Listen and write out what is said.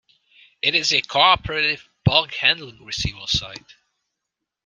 It is a Cooperative Bulk Handling receival site.